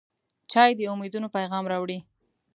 چای د امیدونو پیغام راوړي.